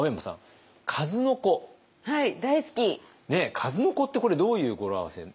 数の子ってこれどういう語呂合わせ？